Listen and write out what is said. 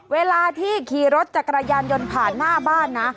เวลาที่ขี่รถจักรยานยนต์ผ่านหน้าบ้านนะ